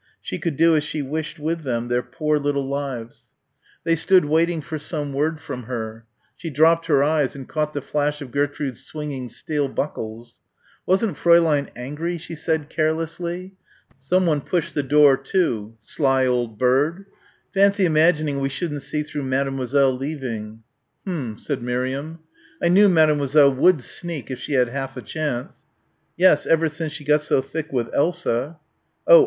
She could do as she wished with them their poor little lives. They stood waiting for some word from her. She dropped her eyes and caught the flash of Gertrude's swinging steel buckles. "Wasn't Fräulein angry?" she said carelessly. Someone pushed the door to. "Sly old bird." "Fancy imagining we shouldn't see through Mademoiselle leaving." "H'm," said Miriam. "I knew Mademoiselle would sneak if she had half a chance." "Yes, ever since she got so thick with Elsa." "Oh!